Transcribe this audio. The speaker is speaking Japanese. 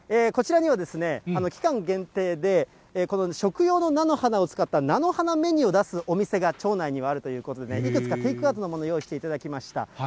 こちらには期間限定で、この食用の菜の花を使った菜の花メニューを出すお店が町内にはあるということで、いくつかテイクアウトのものを用意していただきました。